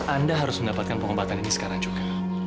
anda harus mendapatkan pengobatan ini sekarang juga